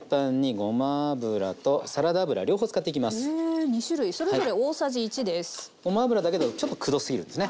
ごま油だけだとちょっとくどすぎるんですね。